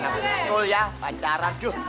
betul ya pacaran tuh